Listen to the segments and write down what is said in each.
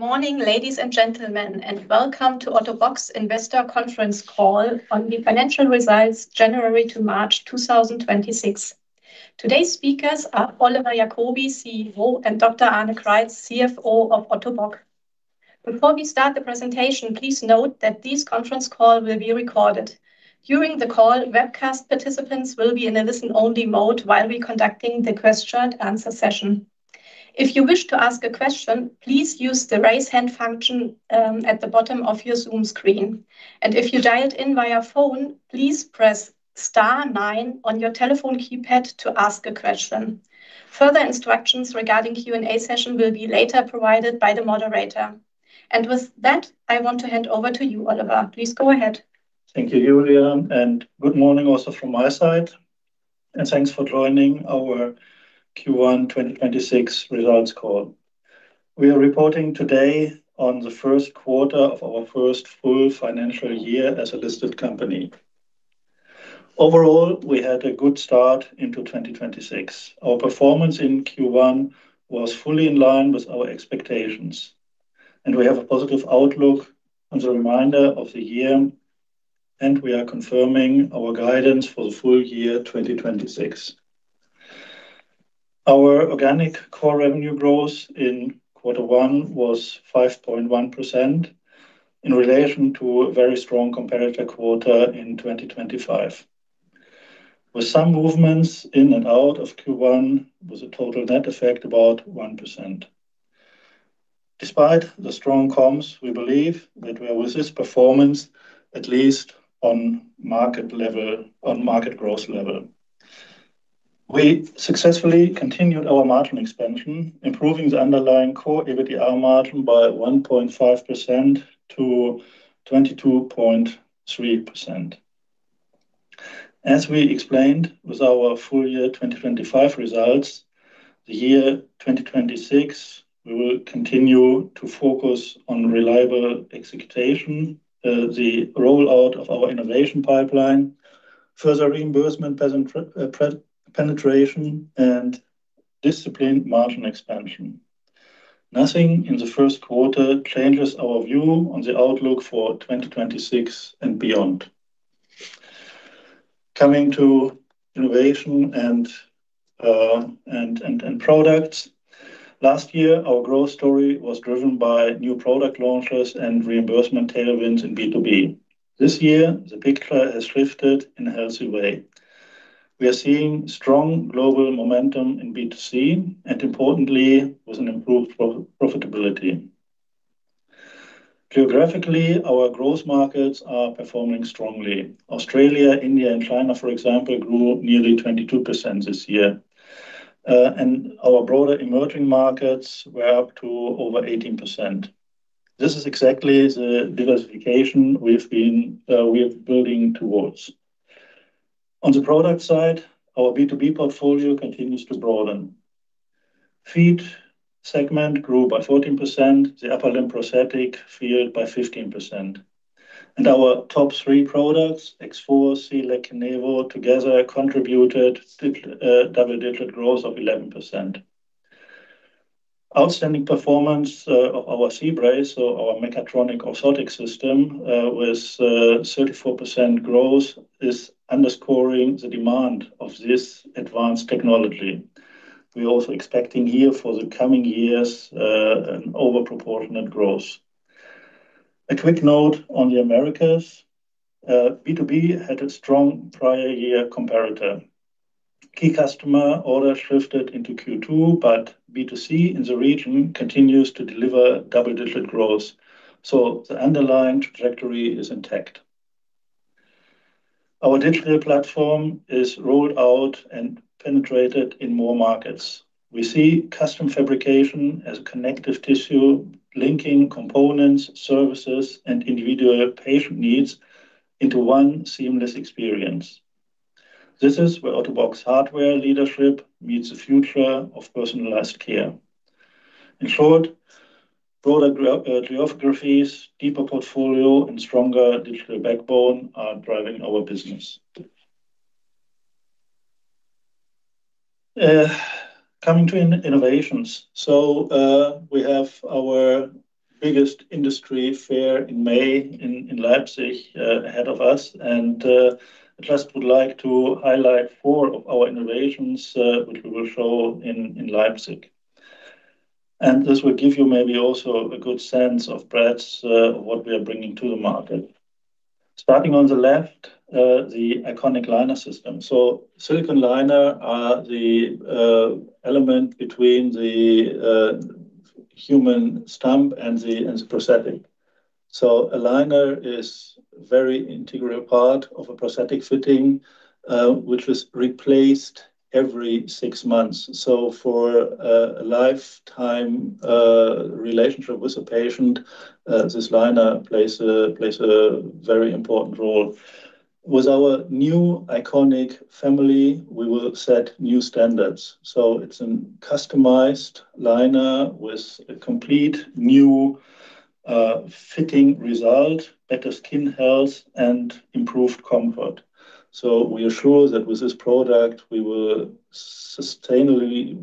Good morning, ladies and gentlemen, welcome to Ottobock's Investor Conference Call on the Financial Results January to March 2026. Today's speakers are Oliver Jakobi, CEO, and Dr. Arne Kreitz, CFO of Ottobock. Before we start the presentation, please note that this conference call will be recorded. During the call, webcast participants will be in a listen-only mode while we conducting the question and answer session. If you wish to ask a question, please use the raise hand function, at the bottom of your Zoom screen, If you dialed in via phone, please press star nine on your telephone keypad to ask a question. Further instructions regarding Q&A session will be later provided by the moderator. With that, I want to hand over to you, Oliver. Please go ahead. Thank you, Julia. Good morning also from my side. Thanks for joining our Q1 2026 Results Call. We are reporting today on the first quarter of our first full financial year as a listed company. Overall, we had a good start into 2026. Our performance in Q1 was fully in line with our expectations, and we have a positive outlook on the remainder of the year, and we are confirming our guidance for the full year 2026. Our organic core revenue growth in quarter one was 5.1% in relation to a very strong competitor quarter in 2025. With some movements in and out of Q1 was a total net effect about 1%. Despite the strong comms, we believe that we are with this performance, at least on market growth level. We successfully continued our margin expansion, improving the underlying core EBITDA margin by 1.5%-22.3%. As we explained with our full year 2025 results, the year 2026 we will continue to focus on reliable execution, the rollout of our innovation pipeline, further reimbursement penetration, and disciplined margin expansion. Nothing in the first quarter changes our view on the outlook for 2026 and beyond. Coming to innovation and products. Last year, our growth story was driven by new product launches and reimbursement tailwinds in B2B. This year, the picture has shifted in a healthy way. We are seeing strong global momentum in B2C, importantly, with an improved profitability. Geographically, our growth markets are performing strongly. Australia, India and China, for example, grew nearly 22% this year. Our broader emerging markets were up to over 18%. This is exactly the diversification we've been, we are building towards. On the product side, our B2B portfolio continues to broaden. Feet segment grew by 14%, the upper limb prosthetic field by 15%. Our top three products, X4, Kenevo, and Evanto together contributed to a double-digit growth of 11%. Outstanding performance of our C-Brace or our mechatronic orthotic system, with 34% growth is underscoring the demand of this advanced technology. We're also expecting here for the coming years, an over-proportionate growth. A quick note on the Americas. B2B had a strong prior year comparator. Key customer orders shifted into Q2, but B2C in the region continues to deliver double-digit growth, so the underlying trajectory is intact. Our digital platform is rolled out and penetrated in more markets. We see custom fabrication as a connective tissue, linking components, services, and individual patient needs into one seamless experience. This is where Ottobock's hardware leadership meets the future of personalized care. In short, broader geographies, deeper portfolio and stronger digital backbone are driving our business. Coming to innovations. We have our biggest industry fair in May in Leipzig ahead of us, and I just would like to highlight four of our innovations which we will show in Leipzig. This will give you maybe also a good sense of perhaps what we are bringing to the market. Starting on the left, the iconic liner system. silicon liner are the element between the human stump and the prosthetic. a liner is very integral part of a prosthetic fitting which is replaced every six months. For a lifetime relationship with a patient, this liner plays a very important role. With our new iconic family, we will set new standards. It's a customized liner with a complete new fitting result, better skin health and improved comfort. We are sure that with this product, we will sustainably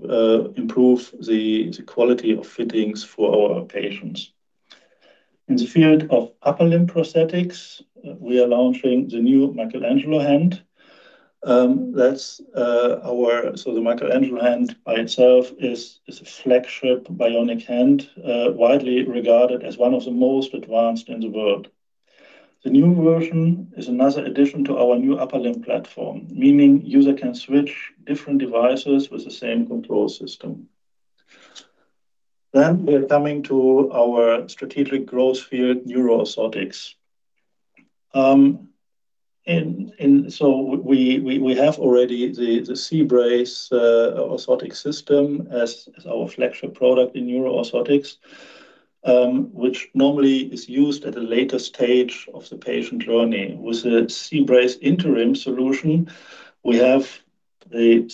improve the quality of fittings for our patients. In the field of upper limb prosthetics, we are launching the new Michelangelo Hand. The Michelangelo Hand by itself is a flagship bionic hand, widely regarded as one of the most advanced in the world. The new version is another addition to our new upper limb platform, meaning user can switch different devices with the same control system. We are coming to our strategic growth field, neuroorthotics. We have already the C-Brace orthotic system as our flagship product in neuroorthotics, which normally is used at a later stage of the patient journey. With the C-Brace Interim solution, we have the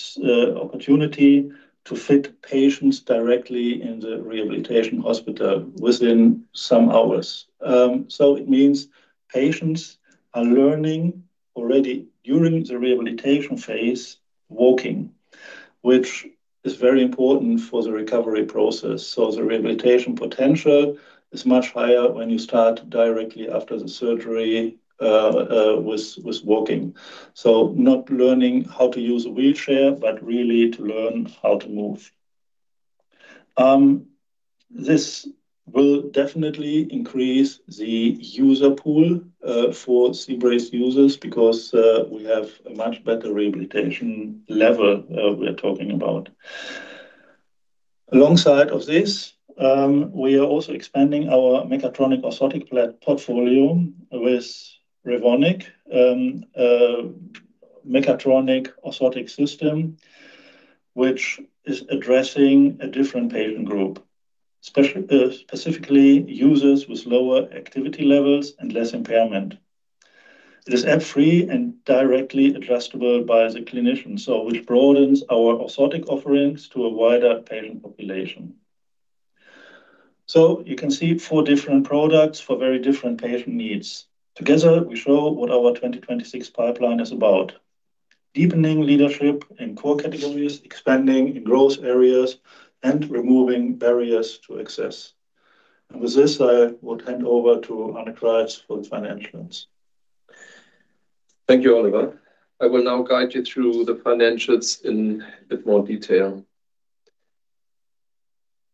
opportunity to fit patients directly in the rehabilitation hospital within some hours. It means patients are learning already during the rehabilitation phase, walking, which is very important for the recovery process. The rehabilitation potential is much higher when you start directly after the surgery with walking. Not learning how to use a wheelchair, but really to learn how to move. This will definitely increase the user pool for C-Brace users because we have a much better rehabilitation level we are talking about. Alongside of this, we are also expanding our mechatronic orthotic portfolio with Revonic, a mechatronic orthotic system which is addressing a different patient group, specifically users with lower activity levels and less impairment. It is app-free and directly adjustable by the clinician, which broadens our orthotic offerings to a wider patient population. You can see four different products for very different patient needs. Together, we show what our 2026 pipeline is about. Deepening leadership in core categories, expanding in growth areas, and removing barriers to access. With this, I will hand over to Arne Kreitz for the financials. Thank you, Oliver. I will now guide you through the financials in a bit more detail.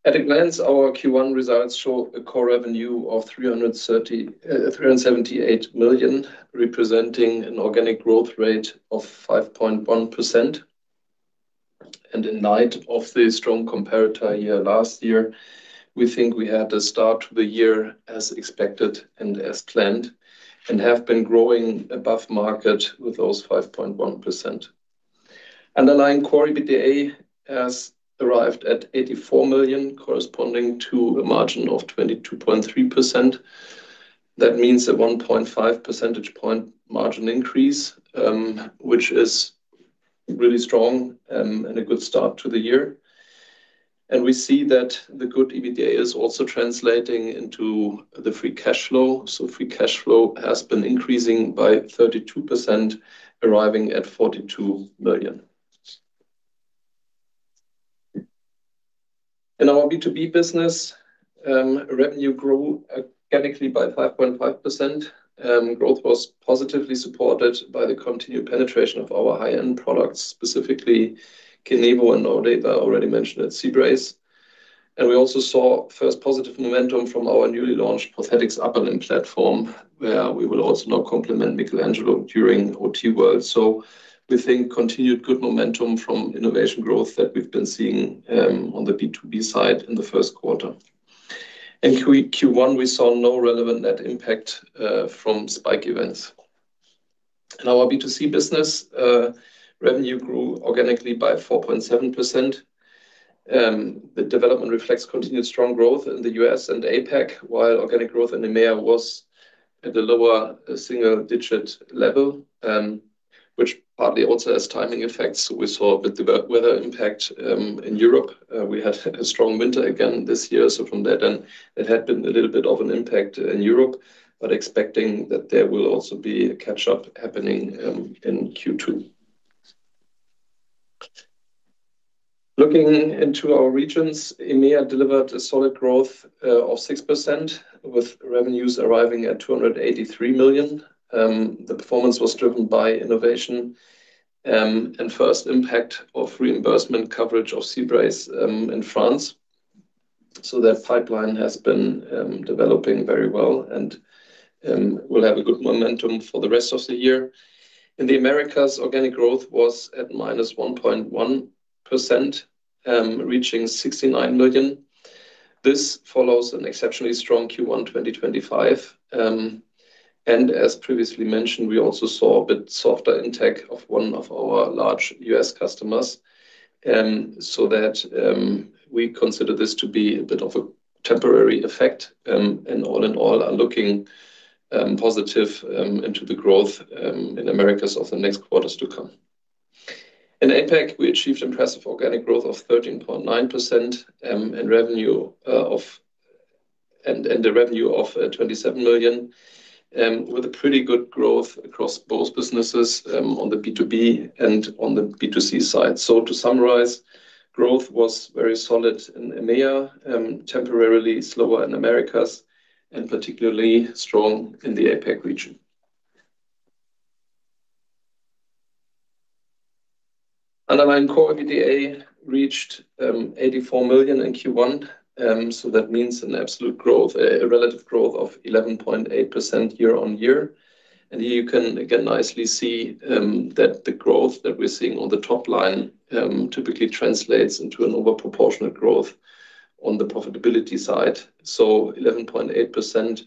At a glance, our Q1 results show a core revenue of 378 million, representing an organic growth rate of 5.1%. In light of the strong comparator year last year, we think we had a start to the year as expected and as planned, and have been growing above market with those 5.1%. Underlying core EBITDA has arrived at 84 million, corresponding to a margin of 22.3%. That means a 1.5 percentage point margin increase, which is really strong and a good start to the year. We see that the good EBITDA is also translating into the free cash flow. Free cash flow has been increasing by 32%, arriving at EUR 42 million. In our B2B business, revenue grew organically by 5.5%. Growth was positively supported by the continued penetration of our high-end products, specifically Kenevo and ODATE. I already mentioned at C-Brace. We also saw first positive momentum from our newly launched Prosthetics Upper Limb platform, where we will also now complement Michelangelo during OTWorld. We think continued good momentum from innovation growth that we've been seeing on the B2B side in the first quarter. In Q1, we saw no relevant net impact from spike events. In our B2C business, revenue grew organically by 4.7%. The development reflects continued strong growth in the U.S. and APAC, while organic growth in EMEA was at a lower single-digit level, which partly also has timing effects. We saw a bit of a weather impact in Europe. We had a strong winter again this year. From that then, it had been a little bit of an impact in Europe, but expecting that there will also be a catch-up happening in Q2. Looking into our regions, EMEA delivered a solid growth of 6%, with revenues arriving at 283 million. The performance was driven by innovation and first impact of reimbursement coverage of C-Brace in France. That pipeline has been developing very well and will have a good momentum for the rest of the year. In the Americas, organic growth was at -1.1%, reaching 69 million. This follows an exceptionally strong Q1 2025. As previously mentioned, we also saw a bit softer intake of one of our large U.S. customers. We consider this to be a bit of a temporary effect, and all in all, are looking positive into the growth in Americas of the next quarters to come. In APAC, we achieved impressive organic growth of 13.9%, and the revenue of 27 million, with a pretty good growth across both businesses on the B2B and on the B2C side. To summarize, growth was very solid in EMEA, temporarily slower in Americas, and particularly strong in the APAC region. Underlying core EBITDA reached 84 million in Q1. That means an absolute growth, a relative growth of 11.8% year-on-year. Here you can again nicely see that the growth that we're seeing on the top line typically translates into an over proportional growth on the profitability side. 11.8%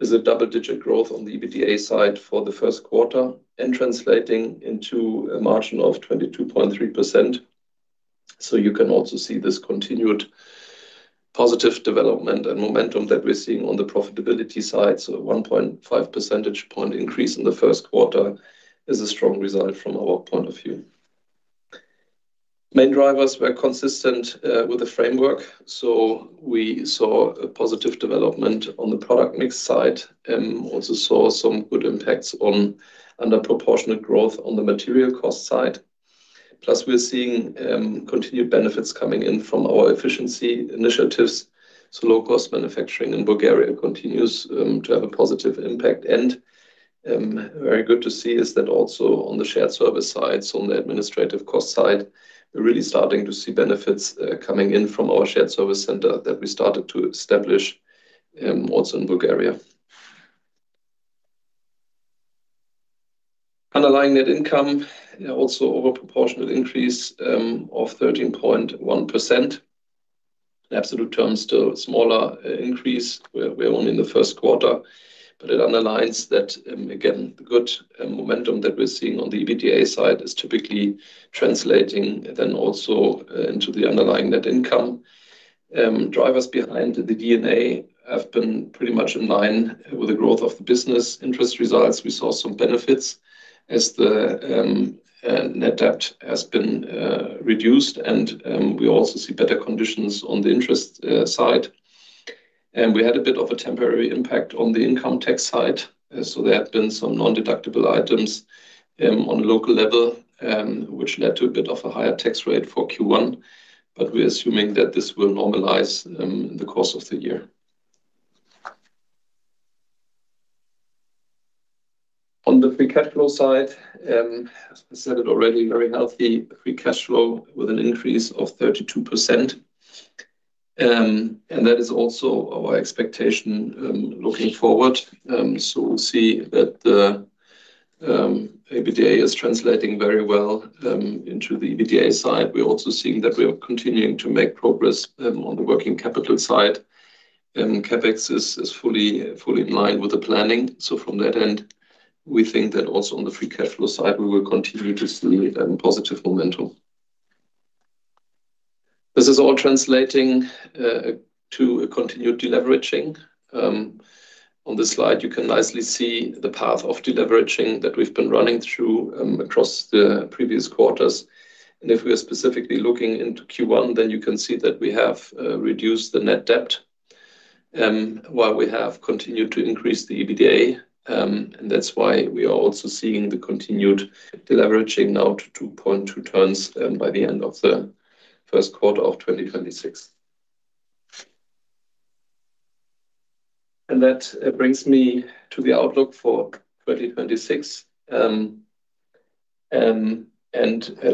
is a double-digit growth on the EBITDA side for the first quarter and translating into a margin of 22.3%. You can also see this continued positive development and momentum that we're seeing on the profitability side. A 1.5 percentage point increase in the first quarter is a strong result from our point of view. Main drivers were consistent with the framework. We saw a positive development on the product mix side. Also saw some good impacts on under proportionate growth on the material cost side. Plus, we're seeing continued benefits coming in from our efficiency initiatives. Low-cost manufacturing in Bulgaria continues to have a positive impact. Very good to see is that also on the shared service side, so on the administrative cost side, we're really starting to see benefits coming in from our shared service center that we started to establish also in Bulgaria. Underlying net income also over proportional increase of 13.1%. In absolute terms, still a smaller increase. We're only in the first quarter, but it underlines that again, the good momentum that we're seeing on the EBITDA side is typically translating then also into the underlying net income. Drivers behind the D&A have been pretty much in line with the growth of the business. Interest results, we saw some benefits as the net debt has been reduced and we also see better conditions on the interest side. We had a bit of a temporary impact on the income tax side. There have been some non-deductible items on local level, which led to a bit of a higher tax rate for Q1. We're assuming that this will normalize in the course of the year. On the free cash flow side, as I said it already, very healthy free cash flow with an increase of 32%. That is also our expectation looking forward. We'll see that the EBITDA is translating very well into the EBITDA side. We're also seeing that we are continuing to make progress on the working capital side. CapEx is fully in line with the planning. From that end, we think that also on the free cash flow side, we will continue to see positive momentum. This is all translating to a continued deleveraging. On this slide, you can nicely see the path of deleveraging that we've been running through across the previous quarters. If we are specifically looking into Q1, you can see that we have reduced the net debt while we have continued to increase the EBITDA. That's why we are also seeing the continued deleveraging now to 2.2 times by the end of the first quarter of 2026. That brings me to the outlook for 2026.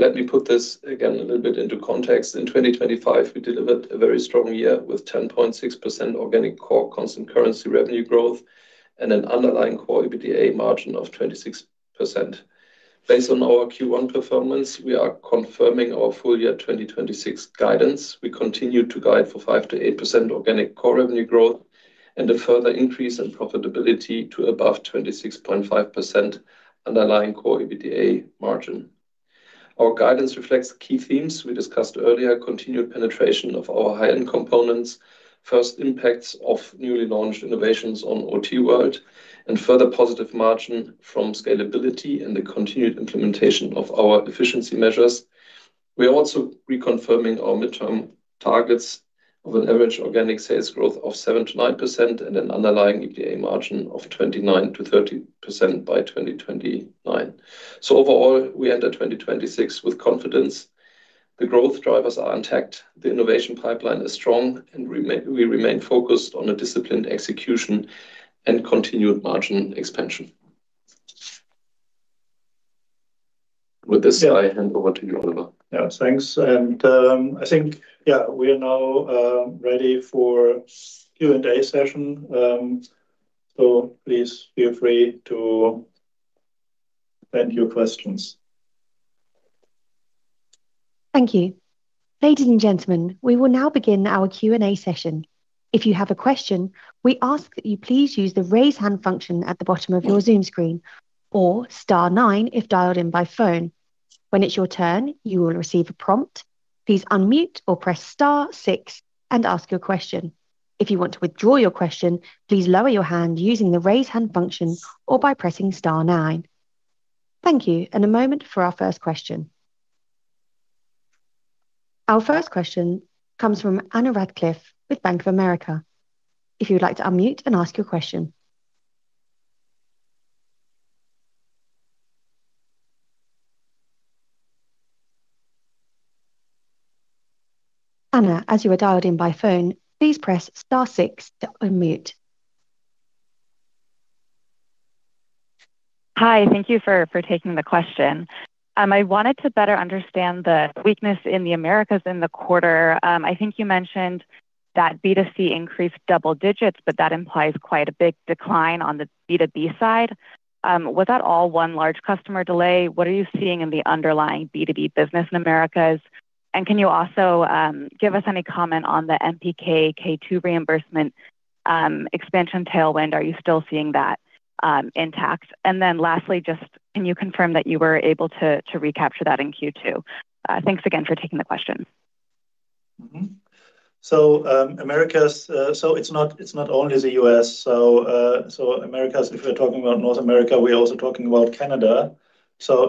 Let me put this again a little bit into context. In 2025, we delivered a very strong year with 10.6% organic core constant currency revenue growth and an underlying core EBITDA margin of 26%. Based on our Q1 performance, we are confirming our full year 2026 guidance. We continue to guide for 5%-8% organic core revenue growth and a further increase in profitability to above 26.5% underlying core EBITDA margin. Our guidance reflects key themes we discussed earlier, continued penetration of our high-end components, first impacts of newly launched innovations on OTWorld, and further positive margin from scalability and the continued implementation of our efficiency measures. We are also reconfirming our midterm targets of an average organic sales growth of 7%-9% and an underlying EBITDA margin of 29%-30% by 2029. Overall, we enter 2026 with confidence. The growth drivers are intact. The innovation pipeline is strong. We remain focused on a disciplined execution and continued margin expansion. I hand over to you, Oliver. Yeah. Thanks. I think, yeah, we are now ready for Q&A session. Please feel free to send your questions. Thank you. Ladies and gentlemen, we will now begin our Q&A session. If you have a question, we ask that you please use the Raise Hand function at the bottom of your Zoom screen or star nine if dialed in by phone. When it's your turn, you will receive a prompt. Please unmute or press star six and ask your question. If you want to withdraw your question, please lower your hand using the Raise Hand function or by pressing star nine. Thank you, and a moment for our first question. Our first question comes from Anna Ractliffe with Bank of America. If you would like to unmute and ask your question. Anna, as you are dialed in by phone, please press star six to unmute. Hi. Thank you for taking the question. I wanted to better understand the weakness in the Americas in the quarter. I think you mentioned that B2C increased double digits, but that implies quite a big decline on the B2B side. Was that all one large customer delay? What are you seeing in the underlying B2B business in Americas? Can you also give us any comment on the MPK K2 reimbursement expansion tailwind? Are you still seeing that intact? Lastly, just can you confirm that you were able to recapture that in Q2? Thanks again for taking the question. Americas, it's not, it's not only the U.S. Americas, if we're talking about North America, we're also talking about Canada.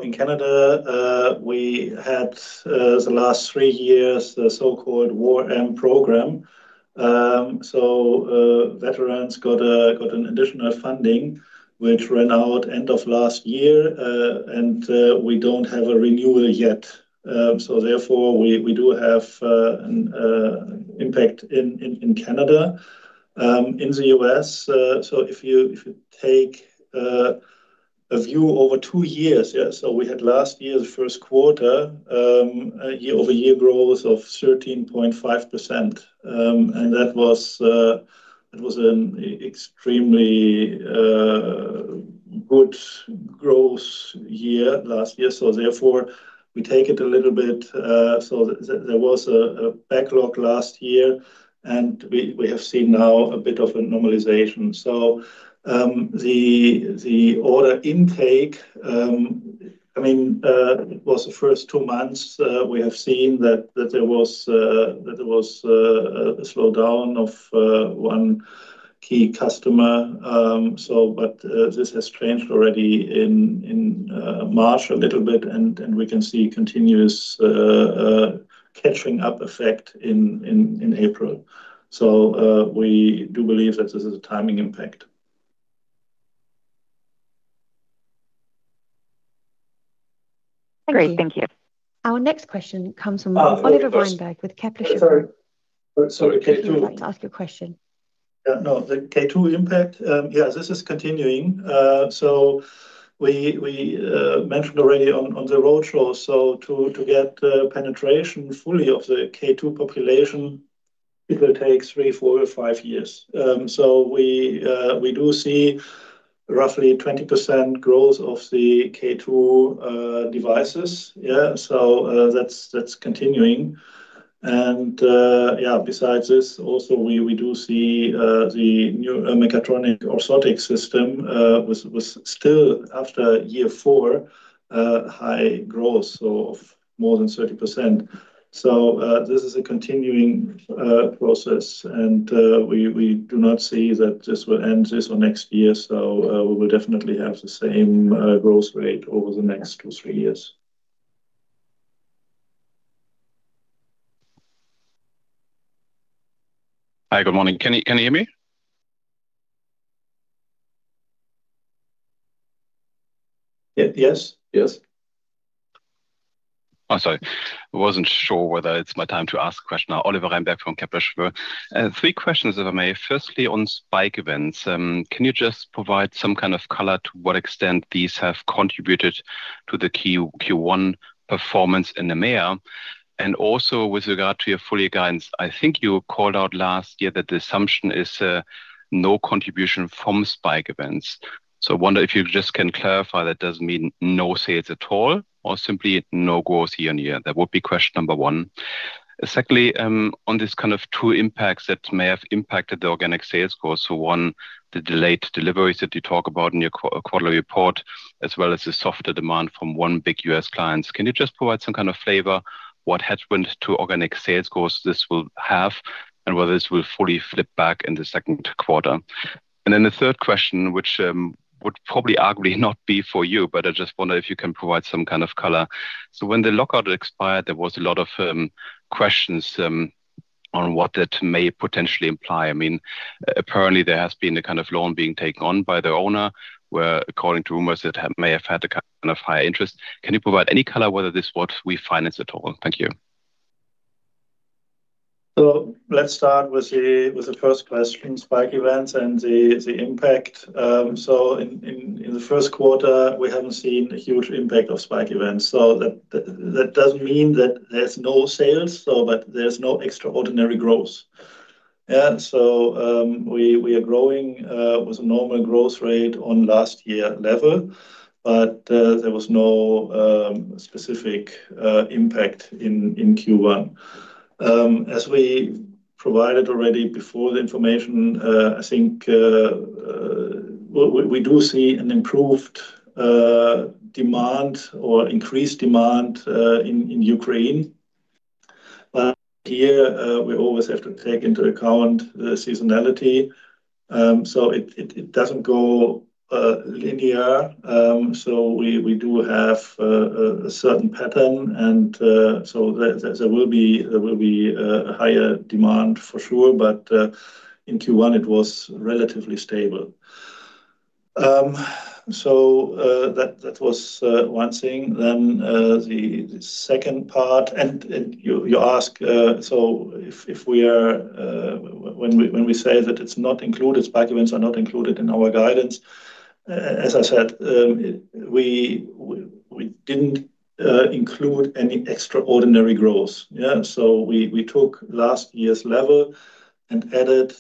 In Canada, we had the last three years, the so-called War Amps program. Veterans got an additional funding which ran out end of last year. We don't have a renewal yet. Therefore, we do have an impact in Canada. In the U.S., if you take a view over two years, we had last year, the first quarter, a year-over-year growth of 13.5%. That was an extremely good growth year last year. Therefore, we take it a little bit, so there was a backlog last year, and we have seen now a bit of a normalization. The order intake, I mean, it was the first two months, we have seen that there was a slowdown of one key customer. This has changed already in March a little bit, and we can see continuous catching up effect in April. We do believe that this is a timing impact. Great. Thank you. Our next question comes from. Uh, first- Oliver Reinberg with Kepler Cheuvreux. Sorry. Sorry, K2. If you would like to ask your question. Yeah, no. The K2 impact, this is continuing. We mentioned already on the roadshow, to get penetration fully of the K2 population, it will take three, four or five years. We do see roughly 20% growth of the K2 devices. That's continuing. Besides this also we do see the new mechatronic orthotic system was still after year four high growth of more than 30%. This is a continuing process, we do not see that this will end this or next year. We will definitely have the same growth rate over the next two, three years. Hi. Good morning. Can you hear me? Yes. Yes. Oh, sorry. I wasn't sure whether it's my time to ask question now. Oliver Reinberg from Kepler Cheuvreux. Three questions if I may. Firstly, on spike events. Can you just provide some kind of color to what extent these have contributed to the Q1 performance in EMEA? And also with regard to your full-year guidance, I think you called out last year that the assumption is, no contribution from spike events. I wonder if you just can clarify that doesn't mean no sales at all or simply no growth year on year? That would be question number one. Secondly, on this kind of two impacts that may have impacted the organic sales growth. One, the delayed deliveries that you talk about in your quarterly report, as well as the softer demand from one big U.S. client. Can you just provide some kind of flavor what headwind to organic sales growth this will have and whether this will fully flip back in the second quarter? The third question, which would probably arguably not be for you, but I just wonder if you can provide some kind of color. When the lockout expired, there was a lot of questions on what that may potentially imply. I mean, apparently there has been a kind of loan being taken on by the owner where according to rumors, it may have had a kind of higher interest. Can you provide any color whether this what refinance at all? Thank you. Let's start with the first question, spike events and the impact. In the first quarter, we haven't seen a huge impact of spike events. That does mean that there's no sales, but there's no extraordinary growth. Yeah. We are growing with a normal growth rate on last year level, but there was no specific impact in Q1. As we provided already before the information, I think we do see an improved demand or increased demand in Ukraine. Here, we always have to take into account the seasonality. It doesn't go linear. We do have a certain pattern and so there will be higher demand for sure, but in Q1 it was relatively stable. That was one thing. The second part and you ask, so if we are, when we say that it's not included, spec elements are not included in our guidance, as I said, we didn't include any extraordinary growth. Yeah. We took last year's level and added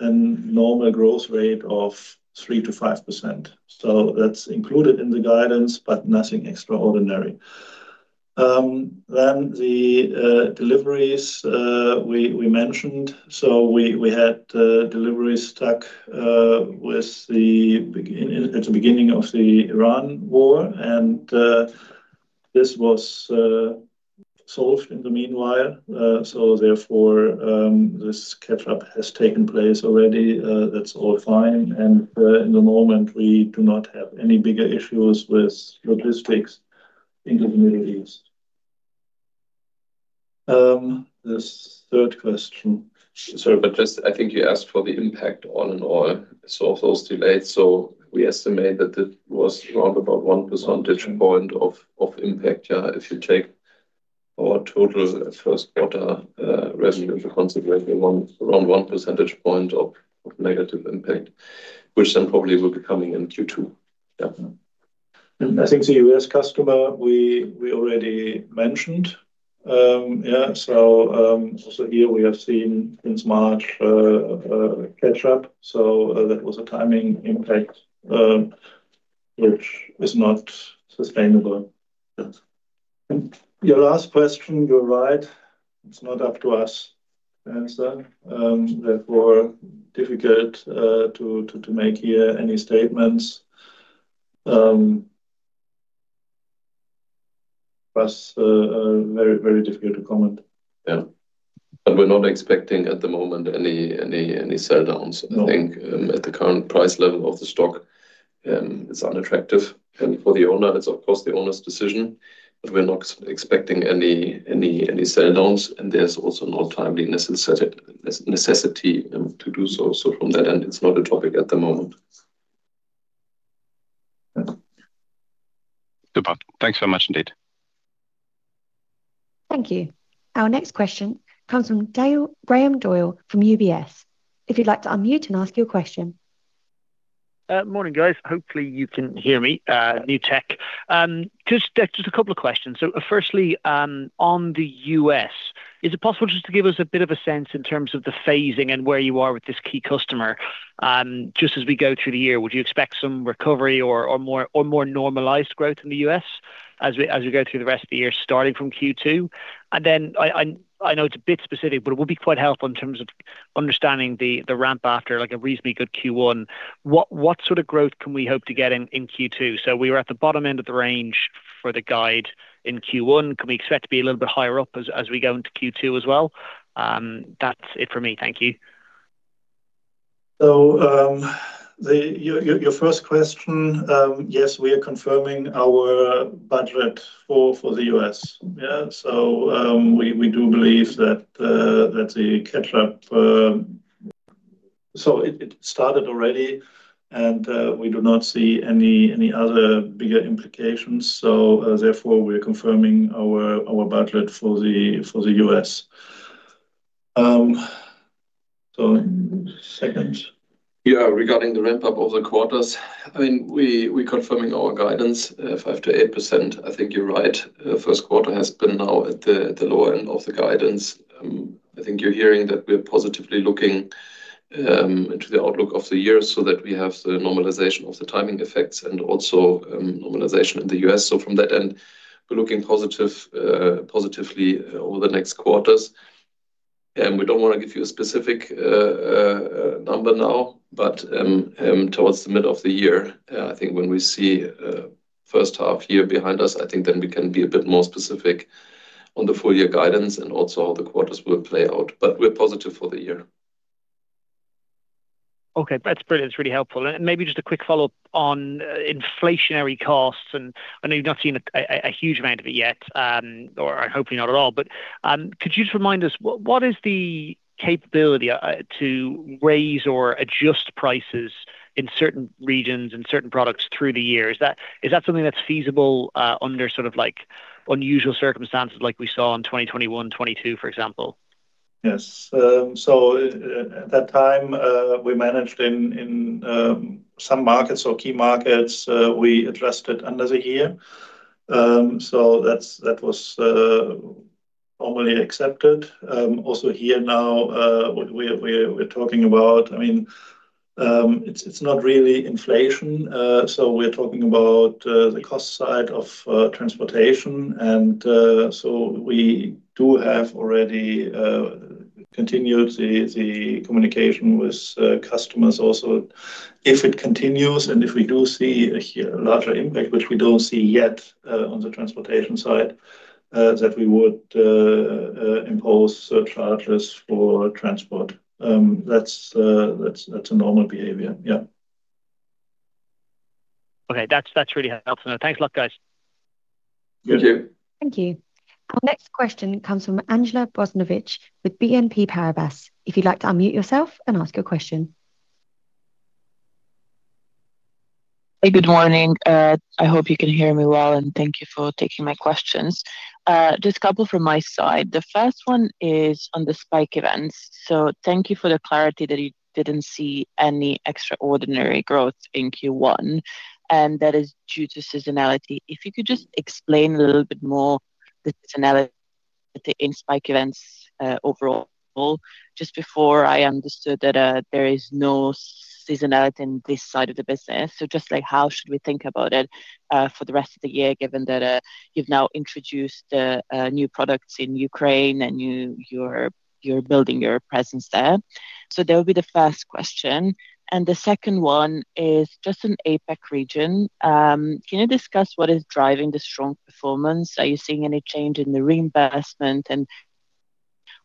a normal growth rate of 3%-5%. That's included in the guidance, but nothing extraordinary. The deliveries, we mentioned. We had deliveries stuck at the beginning of the Iran war, and this was solved in the meanwhile. Therefore, this catch-up has taken place already. That's all fine. In the moment we do not have any bigger issues with logistics in the Middle East. This third question. Just I think you asked for the impact on sort of those delays. We estimate that it was around about 1 percentage point of impact. If you take our total first quarter residential concentrate around 1 percentage point of negative impact, probably will be coming in Q2. I think the U.S. customer, we already mentioned. Here we have seen since March a catch-up. That was a timing impact, which is not sustainable. Yes. Your last question, you're right. It's not up to us. Therefore difficult to make here any statements. That's very difficult to comment. Yeah. We're not expecting at the moment any sell downs. No. I think, at the current price level of the stock, it's unattractive. For the owner, it's of course the owner's decision, but we're not expecting any sell downs, and there's also no timely necessity to do so. From that end, it's not a topic at the moment. Yeah. Super. Thanks very much indeed. Thank you. Our next question comes from Graham Doyle from UBS. If you'd like to unmute and ask your question. Morning, guys. Hopefully you can hear me. New tech. Just a couple of questions. Firstly, on the U.S., is it possible just to give us a bit of a sense in terms of the phasing and where you are with this key customer, just as we go through the year? Would you expect some recovery or more normalized growth in the U.S. as we go through the rest of the year, starting from Q2? I know it's a bit specific, but it would be quite helpful in terms of understanding the ramp after, like, a reasonably good Q1. What sort of growth can we hope to get in Q2? We were at the bottom end of the range for the guide in Q1. Can we expect to be a little bit higher up as we go into Q2 as well? That's it for me. Thank you. Your first question, yes, we are confirming our budget for the U.S. Yeah. We do believe that the catch-up. It started already and we do not see any other bigger implications. Therefore, we're confirming our budget for the U.S. Second. Yeah, regarding the ramp-up of the quarters, I mean, we're confirming our guidance at 5%-8%. I think you're right, first quarter has been now at the lower end of the guidance. I think you're hearing that we're positively looking into the outlook of the year so that we have the normalization of the timing effects and also normalization in the U.S. From that end, we're looking positive, positively over the next quarters. We don't wanna give you a specific number now. Towards the middle of the year, I think when we see first half year behind us, I think then we can be a bit more specific on the full year guidance and also how the quarters will play out. We're positive for the year. Okay. That's brilliant. It's really helpful. Maybe just a quick follow-up on inflationary costs. I know you've not seen a huge amount of it yet, or hopefully not at all, could you just remind us what is the capability to raise or adjust prices in certain regions and certain products through the year? Is that something that's feasible under sort of like unusual circumstances like we saw in 2021, 2022, for example? Yes. At that time, we managed in some markets or key markets, we addressed it under the year. That was normally accepted. Here now, what we are talking about, I mean, it is not really inflation. We are talking about the cost side of transportation and we do have already continued the communication with customers also. If it continues, and if we do see a larger impact, which we do not see yet, on the transportation side, that we would impose surcharges for transport. That is a normal behavior. Yeah. Okay. That's really helpful. Thanks a lot, guys. You too. Thank you. Our next question comes from Anela Bobić with BNP Paribas. If you'd like to unmute yourself and ask your question. Hey, good morning. I hope you can hear me well, and thank you for taking my questions. Just a couple from my side. The first one is on the spike events. Thank you for the clarity that you didn't see any extraordinary growth in Q1, and that is due to seasonality. If you could just explain a little bit more the seasonality in spike events overall. Just before I understood that, there is no seasonality in this side of the business. Just like how should we think about it for the rest of the year, given that you've now introduced new products in Ukraine and you're building your presence there. That would be the first question. The second one is just in APAC region. Can you discuss what is driving the strong performance? Are you seeing any change in the reimbursement and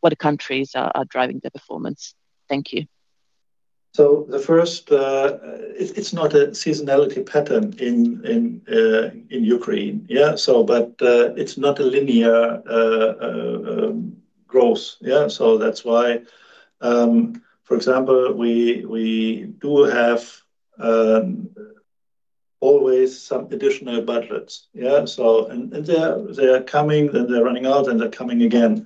what countries are driving the performance? Thank you. The first, it's not a seasonality pattern in Ukraine. It's not a linear growth. That's why, for example, we do have always some additional budgets. They are coming, then they're running out, and they're coming again.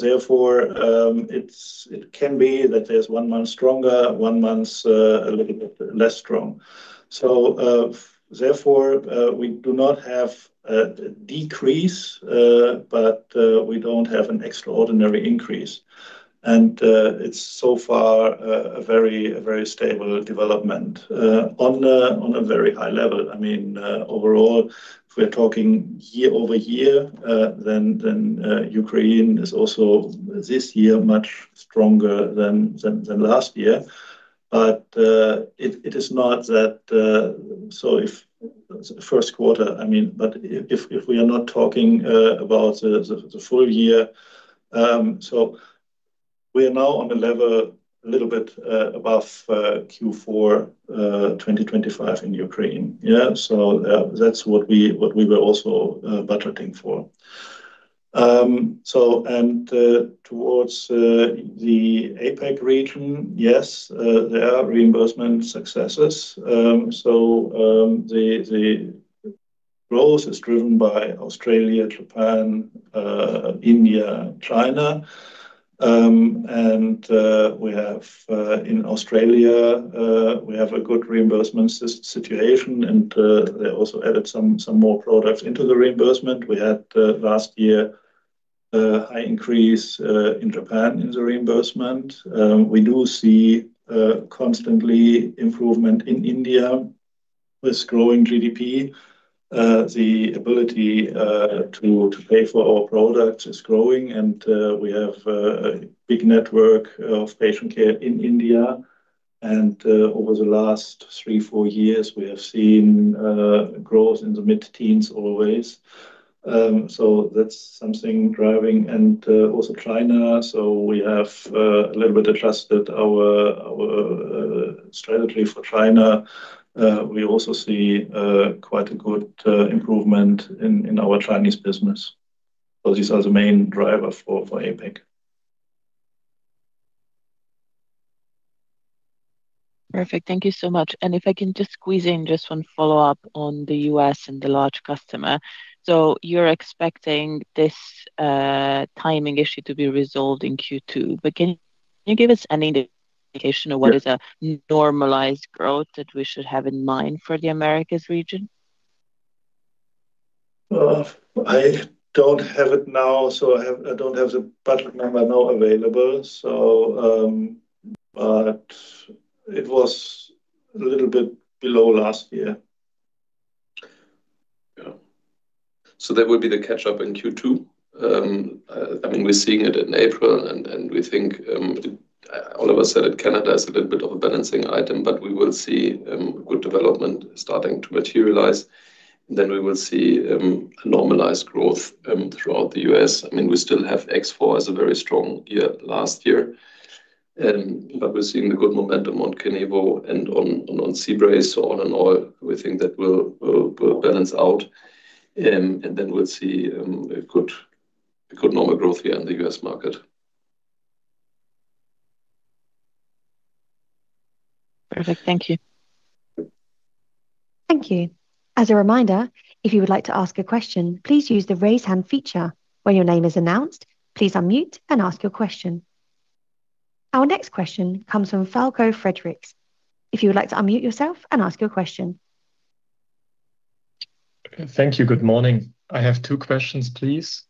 Therefore, it can be that there's one month stronger, one month's a little bit less strong. Therefore, we do not have a decrease, but we don't have an extraordinary increase. It's so far a very, very stable development on a very high level. I mean, overall, if we're talking year-over-year, Ukraine is also this year much stronger than last year. It is not that. First quarter, I mean. If we are not talking about the full year. We are now on a level a little bit above Q4 2025 in Ukraine. Yeah. That's what we were also budgeting for. Towards the APAC region, yes, there are reimbursement successes. The growth is driven by Australia, Japan, India, China. In Australia, we have a good reimbursement situation, and they also added some more products into the reimbursement. We had last year a high increase in Japan in the reimbursement. We do see constantly improvement in India with growing GDP. The ability to pay for our products is growing, and we have a big network of patient care in India. Over the last three, four years, we have seen growth in the mid-teens always. That's something driving. Also China. We have a little bit adjusted our strategy for China. We also see quite a good improvement in our Chinese business. These are the main driver for APAC. Perfect. Thank you so much. If I can just squeeze in just one follow-up on the U.S. and the large customer. You're expecting this timing issue to be resolved in Q2, can you give us any indication of what is a normalized growth that we should have in mind for the Americas region? I don't have it now. I don't have the budget number now available. It was a little bit below last year. Yeah. That would be the catch up in Q2. I mean, we're seeing it in April, and we think, Oliver said it, Canada is a little bit of a balancing item. We will see good development starting to materialize. We will see a normalized growth throughout the U.S. I mean, we still have X4 as a very strong year last year. We're seeing a good momentum on Kenevo and on C-Brace. All in all, we think that will balance out. We'll see a good normal growth here in the U.S. market. Perfect. Thank you. Thank you. As a reminder, if you would like to ask a question, please use the raise hand feature. When your name is announced, please unmute and ask your question. Our next question comes from Falko Friedrichs. If you would like to unmute yourself and ask your question. Thank you. Good morning. I have two questions, please.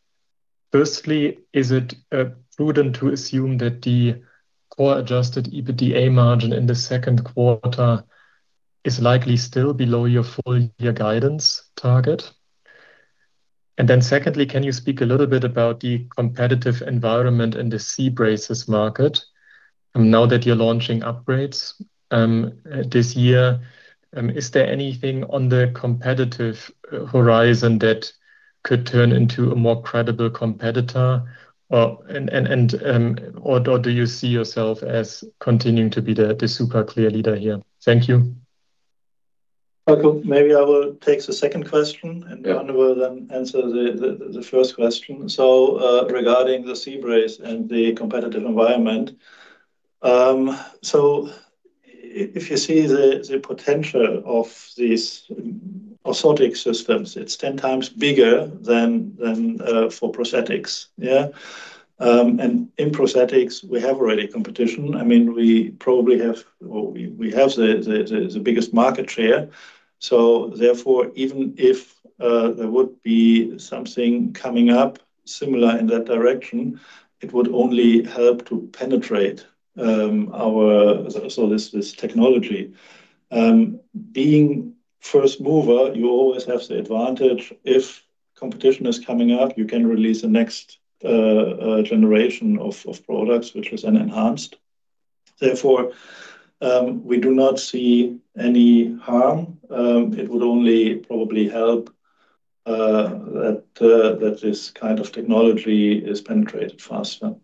Firstly, is it prudent to assume that the core adjusted EBITDA margin in the second quarter is likely still below your full year guidance target? Secondly, can you speak a little bit about the competitive environment in the C-Braces market now that you're launching upgrades this year? Is there anything on the competitive horizon that could turn into a more credible competitor? Do you see yourself as continuing to be the super clear leader here? Thank you. Okay. Maybe I will take the second question. Yeah Bernd will then answer the first question. Regarding the C-Brace and the competitive environment. If you see the potential of these orthotic systems, it's 10 times bigger than for prosthetics. In prosthetics, we have already competition. I mean, we probably have or we have the biggest market share. Therefore, even if there would be something coming up similar in that direction, it would only help to penetrate this technology. Being first mover, you always have the advantage. If competition is coming up, you can release the next generation of products which is then enhanced. Therefore, we do not see any harm. It would only probably help that this kind of technology is penetrated faster.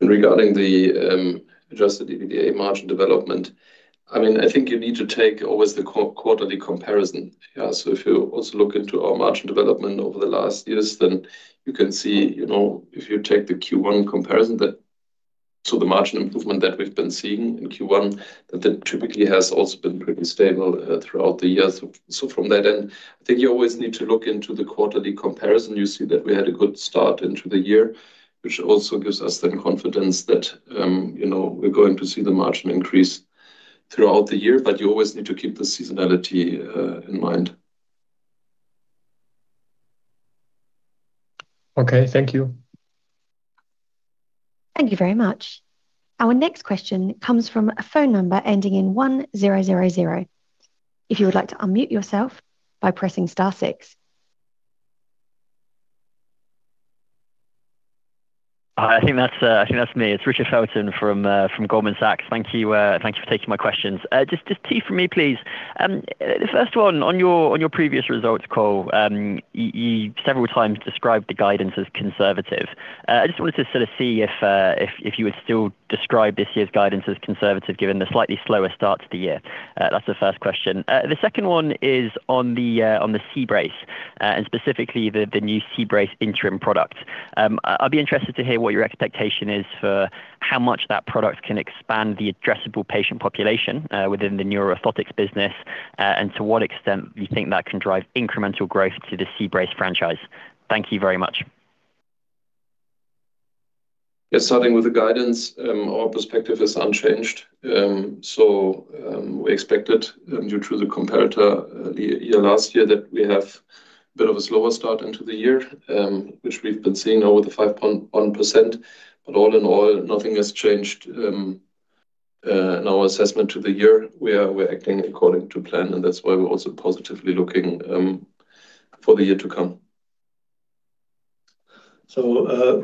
Regarding the adjusted EBITDA margin development, I mean, I think you need to take always the quarterly comparison. Yeah. If you also look into our margin development over the last years, then you can see, you know, if you take the Q1 comparison, the margin improvement that we've been seeing in Q1, that then typically has also been pretty stable throughout the years. From that end, I think you always need to look into the quarterly comparison. You see that we had a good start into the year, which also gives us then confidence that, you know, we're going to see the margin increase throughout the year. You always need to keep the seasonality in mind. Okay. Thank you. Thank you very much. Our next question comes from a phone number ending in 1000. If you would like to unmute yourself by pressing star six. I think that's me. It's Richard Felton from Goldman Sachs. Thank you. Thank you for taking my questions. Just two from me, please. The first one, on your previous results call, you several times described the guidance as conservative. I just wanted to sort of see if you would still describe this year's guidance as conservative given the slightly slower start to the year. That's the first question. The second one is on the C-Brace and specifically the new C-Brace Interim product. I'd be interested to hear what your expectation is for how much that product can expand the addressable patient population within the neuroorthotics business, and to what extent you think that can drive incremental growth to the C-Brace franchise. Thank you very much. Yeah. Starting with the guidance, our perspective is unchanged. We expected due to the comparator year last year that we have a bit of a slower start into the year, which we've been seeing now with the 5.1%. All in all, nothing has changed in our assessment to the year. We're acting according to plan, and that's why we're also positively looking for the year to come.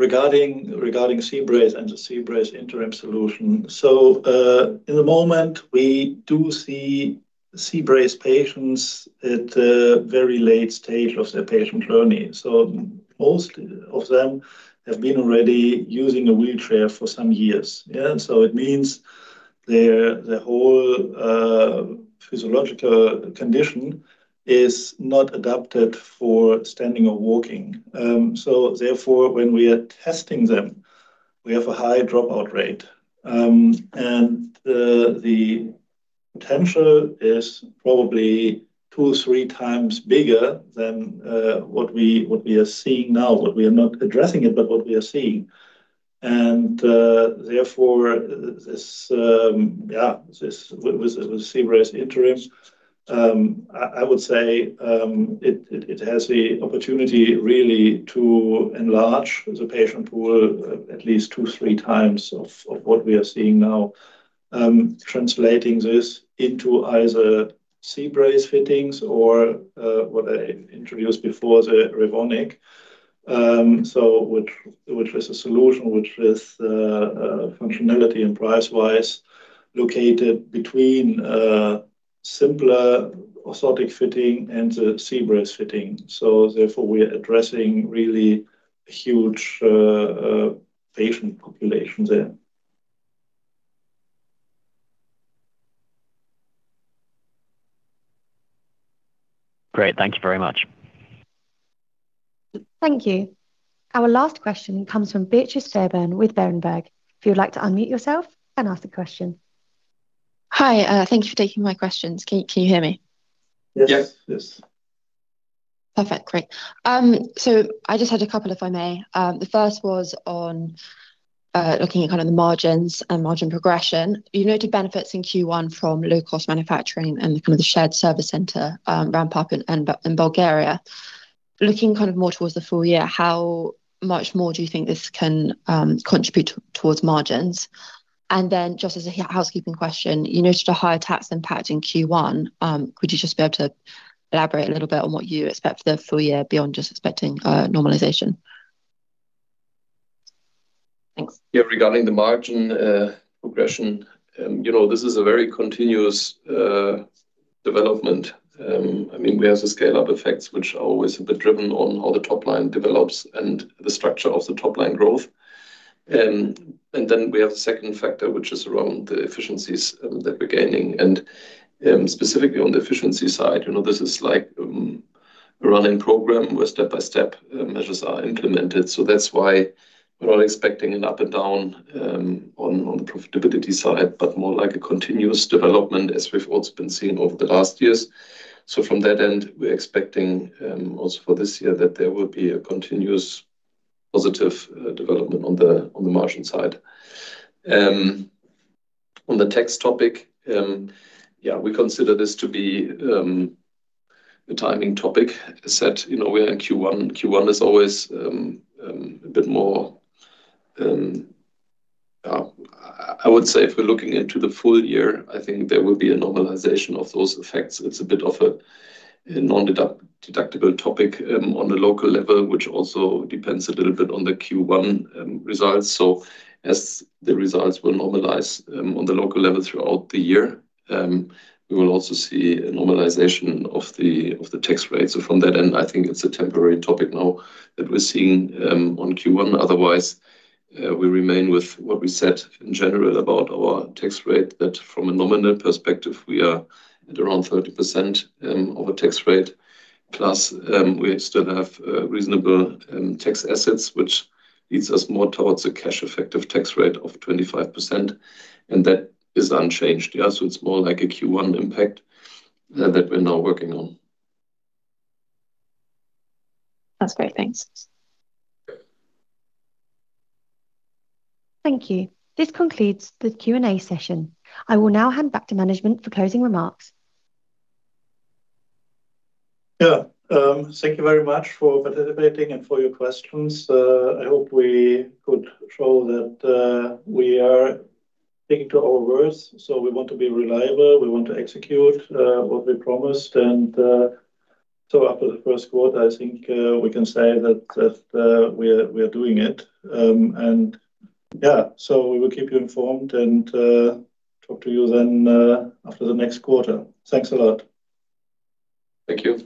Regarding C-Brace and the C-Brace interim solution. In the moment, we do see C-Brace patients at a very late stage of their patient journey. Most of them have been already using a wheelchair for some years. Yeah. It means their whole physiological condition is not adapted for standing or walking. Therefore, when we are testing them, we have a high dropout rate. And the potential is probably two, three times bigger than what we are seeing now. We are not addressing it, but what we are seeing. Therefore, with the C-Brace interim, I would say it has the opportunity really to enlarge the patient pool at least two, three times of what we are seeing now. Translating this into either C-Brace fittings or, what I introduced before, the Revonic. Which was a solution, which was functionality and price-wise located between a simpler orthotic fitting and the C-Brace fitting. Therefore, we're addressing really a huge patient population there. Great. Thank you very much. Thank you. Our last question comes from Beatrice Fairbairn with Berenberg. If you'd like to unmute yourself and ask the question. Hi. Thank you for taking my questions. Can you hear me? Yes. Yes. Perfect. Great. I just had a couple, if I may. The first was on looking at kind of the margins and margin progression. You noted benefits in Q1 from low-cost manufacturing and kind of the shared service center ramp-up in Bulgaria. Looking kind of more towards the full year, how much more do you think this can contribute towards margins? Just as a housekeeping question, you noted a higher tax impact in Q1. Could you just be able to elaborate a little bit on what you expect for the full year beyond just expecting normalization? Thanks. Yeah, regarding the margin, progression, you know, this is a very continuous development. I mean, we have the scale-up effects, which are always a bit driven on how the top line develops and the structure of the top-line growth. Then we have the second factor, which is around the efficiencies that we're gaining. Specifically on the efficiency side, you know, this is like a running program where step-by-step measures are implemented. That's why we're not expecting an up and down on the profitability side, but more like a continuous development as we've also been seeing over the last years. From that end, we're expecting also for this year that there will be a continuous positive development on the margin side. On the tax topic, we consider this to be a timing topic set. You know, we are in Q1. Q1 is always a bit more, I would say if we're looking into the full year, I think there will be a normalization of those effects. It's a bit of a non-deductible topic on the local level, which also depends a little bit on the Q1 results. As the results will normalize on the local level throughout the year, we will also see a normalization of the tax rate. From that end, I think it's a temporary topic now that we're seeing on Q1. Otherwise, we remain with what we said in general about our tax rate. That from a nominal perspective, we are at around 30% of a tax rate. We still have reasonable tax assets, which leads us more towards a cash effective tax rate of 25%, and that is unchanged. It's more like a Q1 impact that we're now working on. That's great. Thanks. Yeah. Thank you. This concludes the Q&A session. I will now hand back to management for closing remarks. Thank you very much for participating and for your questions. I hope we could show that we are sticking to our words. We want to be reliable. We want to execute what we promised. After the first quarter, I think we can say that we are doing it. We will keep you informed and talk to you then after the next quarter. Thanks a lot. Thank you.